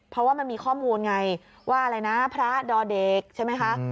เพราะว่ามันมีข้อมูลไงว่าอะไรนะพระดอเด็กใช่ไหมคะ